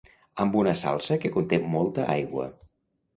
amb una salsa que conté molta aigua